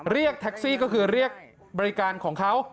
เรียกแท็กซี่ก็คือเรียกบริการของเขา